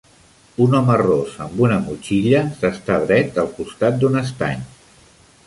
Un home ros amb una motxilla s'està dret al costat d'un estany.